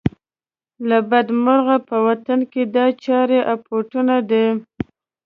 له بده مرغه په وطن کې دا چاره اپوټه ده.